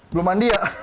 belum mandi ya